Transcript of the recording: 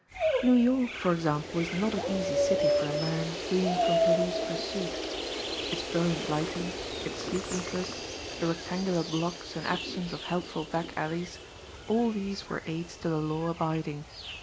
New York, for example, is not an easy city for a man fleeing from police pursuit. Its brilliant lighting, its sleeplessness, the rectangular blocks and absence of helpful back alleys, all these were aids to the law abiding.